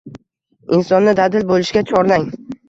insonni dadil bo‘lishga chorlang.